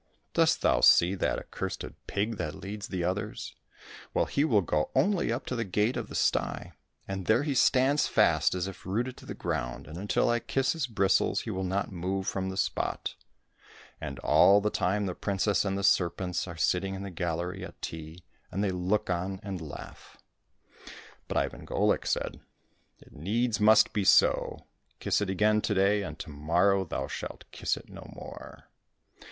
Dost thou see that accursed pig that leads the others ? Well, he will go only up to the gate of the sty, and there he stands fast as if rooted to the ground, and until I kiss his bristles he will not move from the spot. And all the time the princess and the serpents are sitting in the gallery at tea, and they look on and laugh !" But Ivan Golik said, " It needs must be so ! Kiss it again to day, and to morrow thou shalt kiss it no more